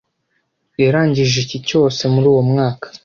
Yarangije icyi cyose muri uwo mwaka.